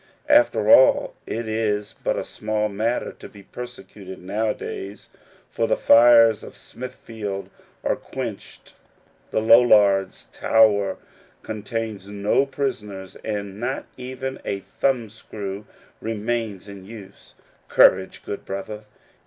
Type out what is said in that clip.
After all, it is but a small matter to be persecuted nowadays ; for the fires of Smithfield are quenched, the Lollards* tower con tains no prisoners, and not even a thumb screw remains in use. Courage, good brother!